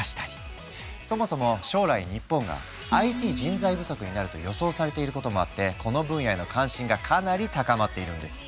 そもそも将来日本がＩＴ人材不足になると予想されていることもあってこの分野への関心がかなり高まっているんです。